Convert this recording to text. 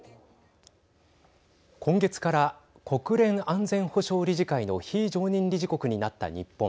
今月から国連安全保障理事会の非常任理事国になった日本。